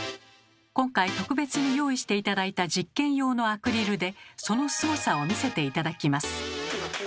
今回特別に用意して頂いた実験用のアクリルでそのスゴさを見せて頂きます。